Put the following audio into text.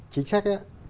chính sách á